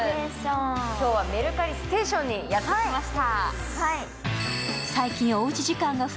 今日はメルカリステーションにやってきました。